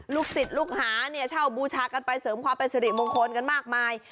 ศิษย์ลูกหาเนี่ยเช่าบูชากันไปเสริมความเป็นสิริมงคลกันมากมาย